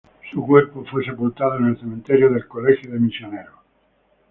Su cuerpo fue sepultado en el cementerio del Colegio de Misioneros.